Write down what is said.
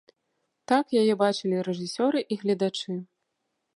Так яе бачылі рэжысёры і гледачы.